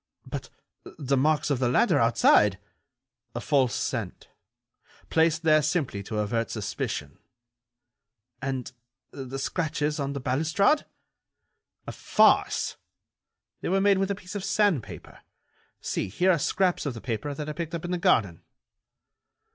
"But the marks of the ladder outside?" "A false scent. Placed there simply to avert suspicion." "And the scratches on the balustrade?" "A farce! They were made with a piece of sandpaper. See, here are scraps of the paper that I picked up in the garden."